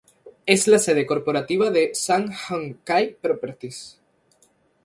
Es la sede corporativa de Sun Hung Kai Properties.